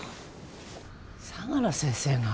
相良先生が？